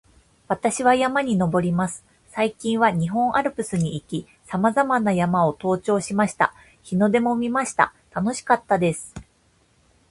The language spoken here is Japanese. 私は山に登ります。最近は日本アルプスに行き、さまざまな山を登頂しました。日の出も見ました。楽しかったです